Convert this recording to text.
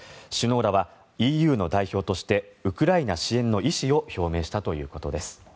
首脳らはＥＵの代表としてウクライナ支援の意思を表明したということです。